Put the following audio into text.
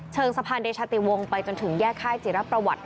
สะพานเดชาติวงไปจนถึงแยกค่ายจิรประวัติ